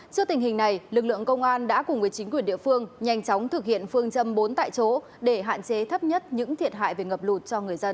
trước tình hình này lực lượng công an đã cùng với chính quyền địa phương nhanh chóng thực hiện phương châm bốn tại chỗ để hạn chế thấp nhất những thiệt hại về ngập lụt cho người dân